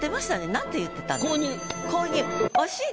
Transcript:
何て言ってた？